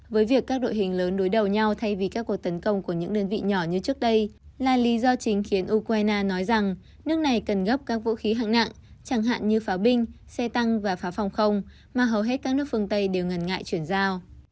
với việc các đội hình lớn đối đầu nhau thay vì các cuộc tấn công của những đơn vị nhỏ như trước đây là lý do chính khiến ukraine nói rằng nước này cần gấp các vũ khí hạng nặng chẳng hạn như pháo binh xe tăng và pháo phòng không mà hầu hết các nước phương tây đều ngần ngại chuyển giao